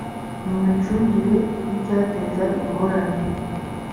mu micungire y’icyateza ingorane